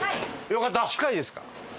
近いですか？